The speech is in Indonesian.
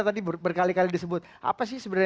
tadi berkali kali disebut apa sih sebenarnya